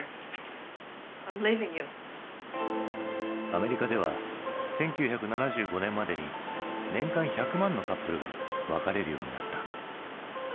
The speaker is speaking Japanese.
アメリカでは１９７５年までに年間１００万のカップルが別れるようになった。